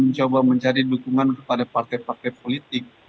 mencoba mencari dukungan kepada partai partai politik